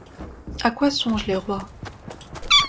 A quoi songent les rois?